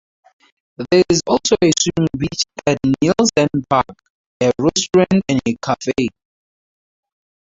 There is also a swimming beach at Nielsen Park, a restaurant and a cafe.